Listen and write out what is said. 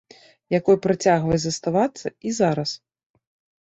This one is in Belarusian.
Якой працягвае заставацца і зараз.